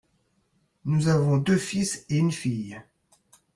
Nous avons deux fils et une fille.